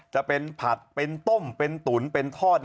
จะเป็นผัดเป็นต้มเป็นตุ๋นเป็นทอด